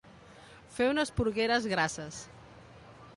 Fer unes porgueres grasses.